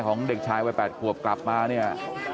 ของเด็กชายวัย๘ขวบกลับมาเนี่ย